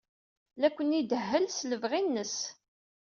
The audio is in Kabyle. La ken-idehhel s lebɣi-nnes.